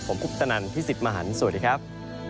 ผมคุปตนันพี่สิทธิ์มหันฯสวัสดีครับ